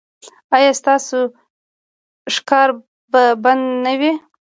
ایا ستاسو ښکار به بند نه وي؟